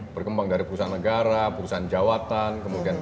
berkembang dari perusahaan negara perusahaan jawatan